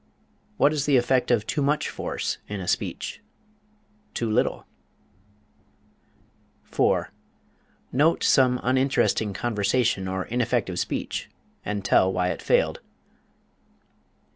What is the effect of too much force in a speech? Too little? 4. Note some uninteresting conversation or ineffective speech, and tell why it failed.